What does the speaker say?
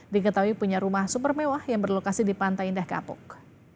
di ketawi rumah mewah yang berlokasi di pantai indah kapok